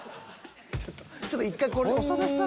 ちょっと１回これで長田さん。